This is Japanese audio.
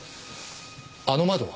あの窓は？